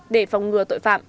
để phòng ngừa tội phạm